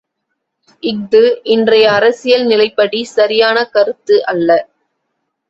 இஃது இன்றைய அரசியல் நிலைப்படி சரியான கருத்து அல்ல.